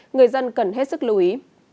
người dân cần hết sức lưu ý